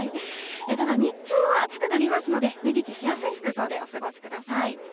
ただ、日中は暑くなりますので、脱ぎ着しやすい服装でお過ごしください。